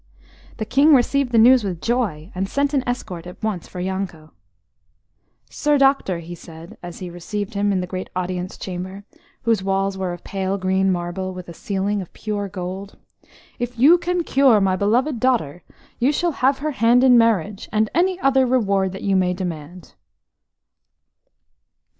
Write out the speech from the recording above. The King received the news with joy, and sent an escort at once for Yanko. "Sir Doctor," he said, as he received him in the great audience chamber, whose walls were of pale green marble, with a ceiling of pure gold, "if you can cure my beloved daughter, you shall have her hand in marriage, and any other reward that you may demand."